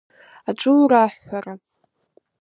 Аҵәыуара, аҳәҳәара.